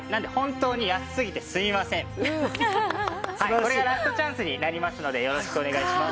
これがラストチャンスになりますのでよろしくお願いします。